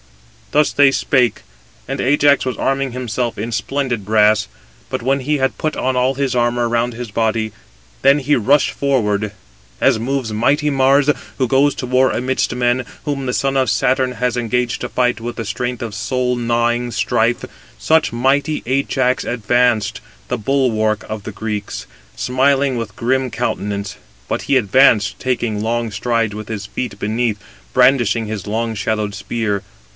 Thus they spake, and Ajax was arming himself in splendid brass. But when he had put on all his armour around his body, then he rushed forward: as moves mighty Mars, who goes to war amidst men, whom the son of Saturn has engaged to fight with the strength of soul gnawing strife, such mighty Ajax advanced, the bulwark of the Greeks, smiling with grim countenance; but he advanced, taking long strides with his feet beneath, brandishing his long shadowed spear.